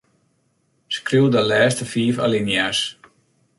Skriuw de lêste fiif alinea's.